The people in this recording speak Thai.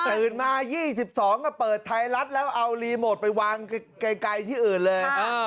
ตื่นมา๒๒ก็เปิดไทยรัฐแล้วเอารีโมทไปวางไกลที่อื่นเลย